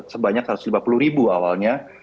sebanyak satu ratus lima puluh ribu awalnya